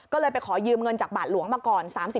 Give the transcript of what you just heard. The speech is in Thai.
ก็เลยไปขอยืมเงินจากบาทหลวงมาก่อน